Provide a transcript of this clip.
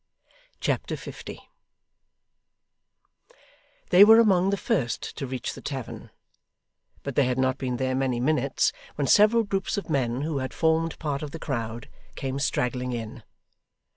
Chapter 50 They were among the first to reach the tavern, but they had not been there many minutes, when several groups of men who had formed part of the crowd, came straggling in.